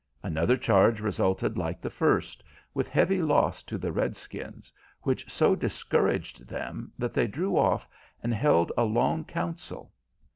Another charge resulted like the first, with heavy loss to the redskins, which so discouraged them that they drew off and held a long council.